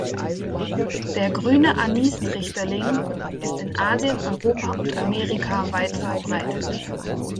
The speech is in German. Der Grüne Anis-Trichterling ist in Asien, Europa und Amerika weit verbreitet.